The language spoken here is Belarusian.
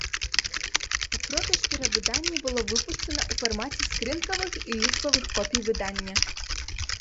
У продаж перавыданне было выпушчана ў фармаце скрынкавых і лічбавых копій выдання.